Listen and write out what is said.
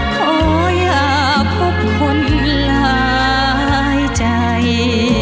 ขออย่าพบคนหลายใจ